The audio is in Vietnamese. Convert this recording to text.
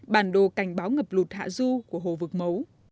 bản đồ cảnh báo ngập lụt hạ du của hồ vực mấu